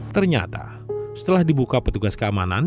ternyata setelah dibuka petugas keamanan